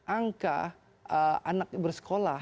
angka anak bersekolah